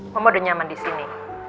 kamu udah nyaman di sini